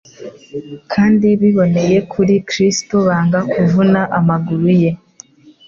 kandi biboneye kuri Kristo, banga kuvuna amaguru ye.